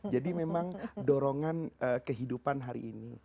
jadi memang dorongan kehidupan hari ini